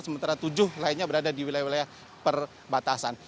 sementara tujuh lainnya berada di wilayah wilayah perbatasan